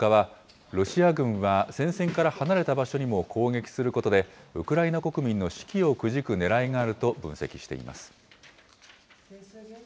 専門家は、ロシア軍は戦線から離れた場所にも攻撃することで、ウクライナ国民の士気をくじくねらいがあると分析しています。